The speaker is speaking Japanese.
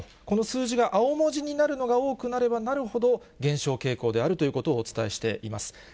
この数字が青文字になるのが多くなればなるほど、減少傾向であるということをお伝えしています。